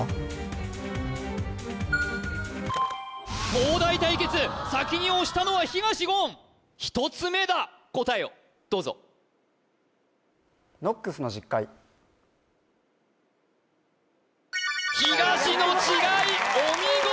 東大対決先に押したのは東言１つ目だ答えをどうぞ東のお見事！